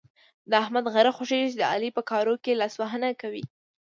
د احمد غره خوږېږي چې د علي په کارو کې لاسوهنه کوي.